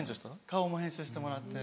顔も編集してもらって。